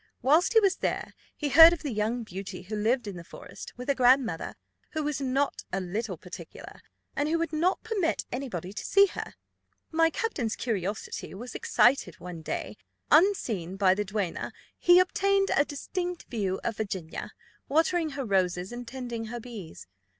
Whilst he was there, he heard of the young beauty who lived in the Forest, with a grandmother, who was not a little particular; and who would not permit any body to see her. "My captain's curiosity was excited; one day, unseen by the duenna, he obtained a distinct view of Virginia, watering her roses and tending her bees.